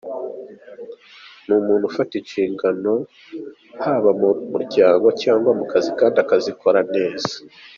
Ni umuntu ufata inshingano haba mu muryango cyangwa mu kazi kandi akazikora neza.